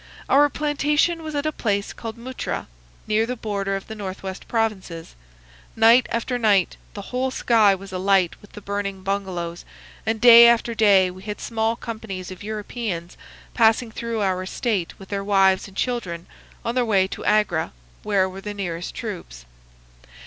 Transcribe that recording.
Our plantation was at a place called Muttra, near the border of the Northwest Provinces. Night after night the whole sky was alight with the burning bungalows, and day after day we had small companies of Europeans passing through our estate with their wives and children, on their way to Agra, where were the nearest troops.